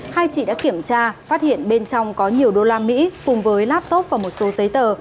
hai chị đã kiểm tra phát hiện bên trong có nhiều đô la mỹ cùng với laptop và một số giấy tờ